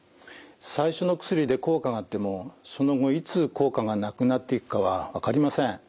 最初の薬で効果があってもその後いつ効果がなくなっていくかは分かりません。